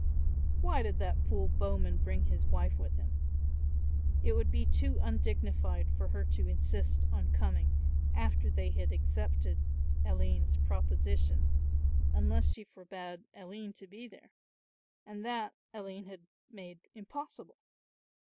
Why did that fool Bowman bring his wife with him? It would be too undignified for her to insist on coming after they had accepted Aline's proposition, unless she forbade Aline to be there; and that Aline had made impossible.